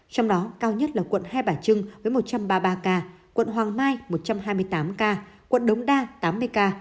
trong đó cao nhất là quận hai bà trưng với một trăm ba mươi ba ca quận hoàng mai một trăm hai mươi tám ca quận đống đa tám mươi ca